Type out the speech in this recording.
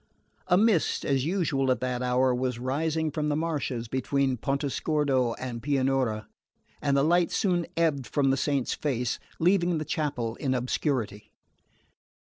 A mist, as usual at that hour, was rising from the marshes between Pontesordo and Pianura, and the light soon ebbed from the saint's face, leaving the chapel in obscurity.